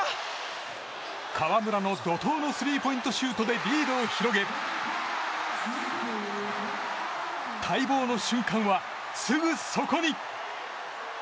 河村の怒涛のスリーポイントシュートでリードを広げ待望の瞬間はすぐそこに。